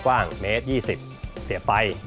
กว้างเมตร๒๐เสียไป